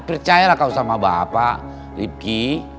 percayalah kau sama bapak ribki